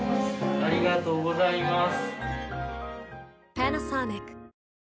ありがとうございます。